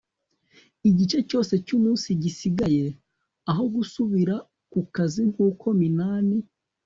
igice cyose cy'umunsi gisigaye. aho gusubira ku kazi nk'uko minani